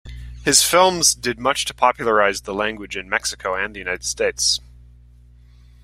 His films did much to popularize the language in Mexico and the United States.